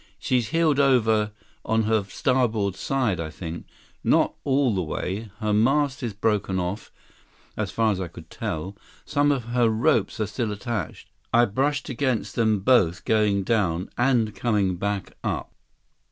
She's heeled over on her starboard side, I think. Not all the way. Her mast is broken off, as far as I could tell. Some of her ropes are still attached. I brushed against them both going down and coming back up."